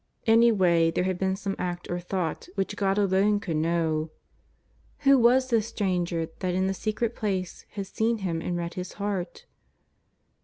Any way there had been some act or thought which God alone could know. Who was this Stranger that in that secret place had seen him and read his heart?